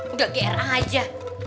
udah gra aja